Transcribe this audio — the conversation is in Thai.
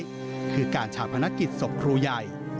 ช่วงท้ายคือการฉาบพนักกิจศพครูใหญ่